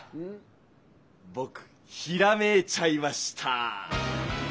ぼくひらめいちゃいました！